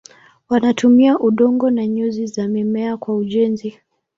Wanatumia udongo na nyuzi za mimea kwa ujenzi.